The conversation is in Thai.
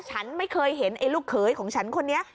ฉันไม่เคยเห็นไอ้ลูกเขยของฉันคนนี้